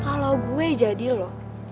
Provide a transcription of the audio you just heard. kalau gue jadi lo